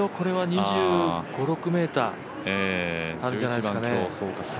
２５２６ｍあるんじゃないですかね。